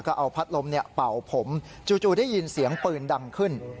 ก็เอาพัดลมเป่าผมจู่ได้ยินเสียงปืนดังขึ้น